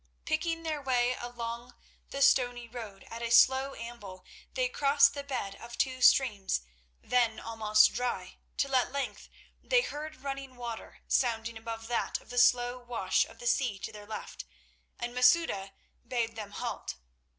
Picking their way along the stony road at a slow amble, they crossed the bed of two streams then almost dry, till at length they heard running water sounding above that of the slow wash of the sea to their left, and Masouda bade them halt.